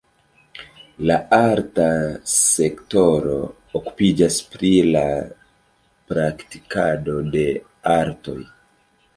La arta sektoro okupiĝas pri la praktikado de artoj.